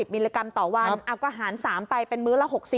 มิลลิกรัมต่อวันเอาก็หาร๓ไปเป็นมื้อละ๖๐